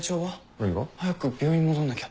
何が？早く病院戻んなきゃ。